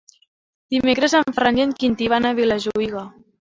Dimecres en Ferran i en Quintí van a Vilajuïga.